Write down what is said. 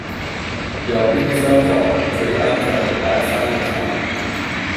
右邊啲廂房最啱就喺擺生日飯